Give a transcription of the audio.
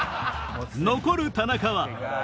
残る田中は？